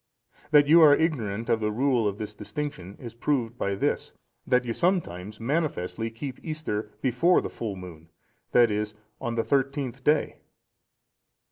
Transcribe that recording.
That you are ignorant of the rule of this distinction is proved by this, that you sometimes manifestly keep Easter before the full moon, that is, on the thirteenth day.